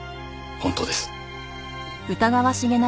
本当です。